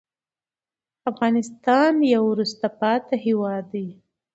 افغانستان يو وروسته پاتې هېواد دې